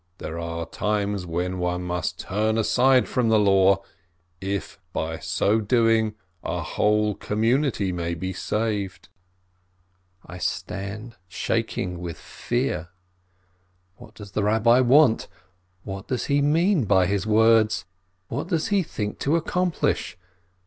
There are times when one must turn aside from the Law, if by so doing a whole community may be saved." I stand shaking with fear. What does the Rabbi want? What does he mean by his words? What does he think to accomplish